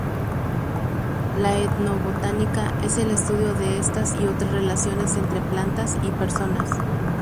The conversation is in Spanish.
La etnobotánica es el estudio de estas y otras relaciones entre plantas y personas.